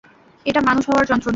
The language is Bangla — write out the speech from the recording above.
এটা মানুষ হওয়ার যন্ত্রণা।